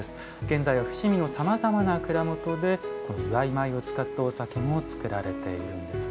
現在は伏見のさまざまな蔵元でこの祝米を使ったお酒も造られているんですね。